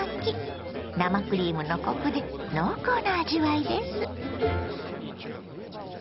生クリームのコクで濃厚な味わいです。